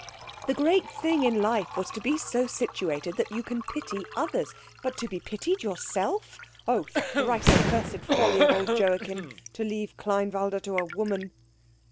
The great thing in life was to be so situated that you can pity others. But to be pitied yourself? Oh, thrice accursed folly of old Joachim, to leave Kleinwalde to a woman!